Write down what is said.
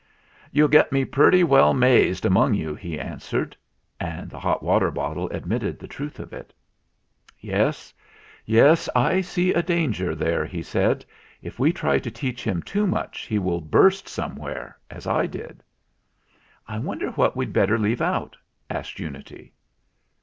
"You'll get me purty well mazed among you," he answered. And the hot water bottle admitted the truth of it. "Yes, yes, I see a danger there," he said. "If we try to teach him too much, he will burst somewhere, as I did." "I wonder what we'd better leave out?" asked Unity.